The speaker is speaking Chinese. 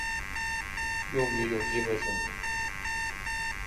用于有机合成。